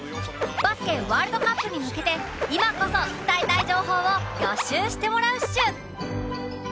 バスケワールドカップに向けて今こそ伝えたい情報を予習してもらうっシュ！